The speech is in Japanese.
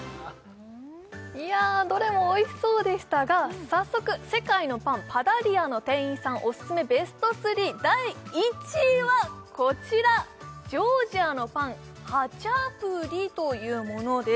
いやどれもおいしそうでしたが早速世界のパンパダリアの店員さんオススメベスト３第１位はこちらジョージアのパンハチャプリというものです